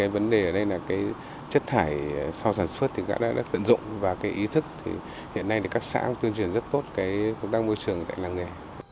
vấn đề ở đây là chất thải sau sản xuất đã tận dụng và ý thức hiện nay các xã tuyên truyền rất tốt công tác môi trường tại làng nghề